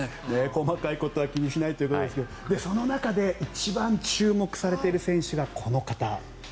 細かいことは気にしないということですがその中で一番注目されている選手がこの方。